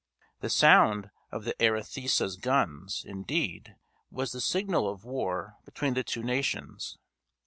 The sound of the Arethusa's guns, indeed, was the signal of war between the two nations.